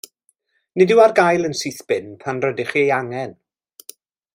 Nid yw ar gael yn syth bin pan rydych ei angen.